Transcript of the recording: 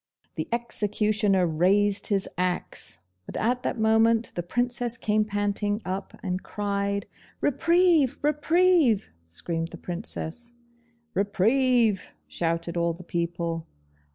The executioner raised his axe, but at that moment the Princess came panting up and cried 'Reprieve!' 'Reprieve!' screamed the Princess. 'Reprieve!' shouted all the people.